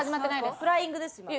フライングです今の。